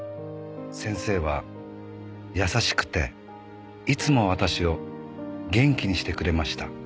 「先生は優しくていつも私を元気にしてくれました」